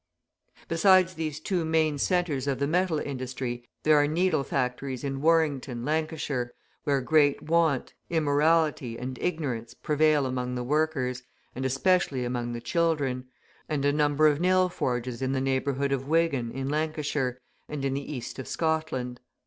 Besides these two main centres of the metal industry, there are needle factories in Warrington, Lancashire, where great want, immorality, and ignorance prevail among the workers, and especially among the children; and a number of nail forges in the neighbourhood of Wigan, in Lancashire, and in the east of Scotland.